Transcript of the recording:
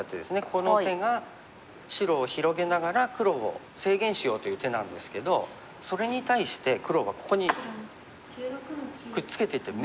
この手が白を広げながら黒を制限しようという手なんですけどそれに対して黒はここにくっつけていってる。